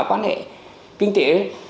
quan hệ kinh tế